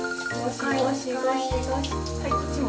はいこっちも。